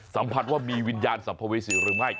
สัมผัสว่ามีวิญญาณสัมภเวษีหรือไม่